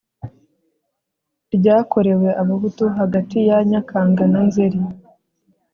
ryakorewe Abahutu hagati ya Nyakanya na Nzeri